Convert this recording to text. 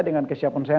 dengan kesiapan saya